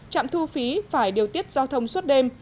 trạm thu phí phải điều tiết giao thông suốt đêm